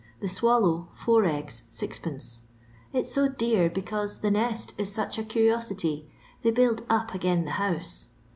The swallow, four eggs, M; it 's so d«r because the nest is such a cur'osity, ther baild op again the house.